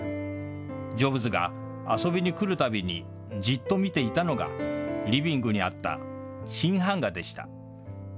ジョブズが遊びに来るたびにじっと見ていたのが、リビングにあった新版画でした。